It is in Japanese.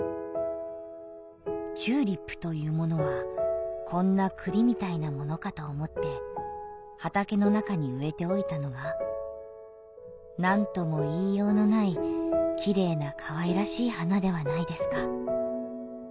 「チューリップというものはこんな栗みたいなものかと思って畑の中に植えておいたのがなんとも言いようのない綺麗な可愛らしい花ではないですか」。